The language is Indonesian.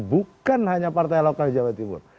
bukan hanya partai lokal di jawa timur